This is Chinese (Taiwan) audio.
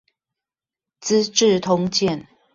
資治通鑑